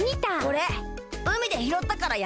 これうみでひろったからやるよ。